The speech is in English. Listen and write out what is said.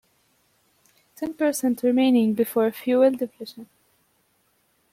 Ten percent remaining before fuel depletion.